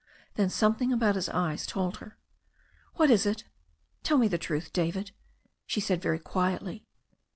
Then something about his eyes told her. "What is it? Tell me the truth, David," she said very quietly.